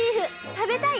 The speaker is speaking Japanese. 食べたい！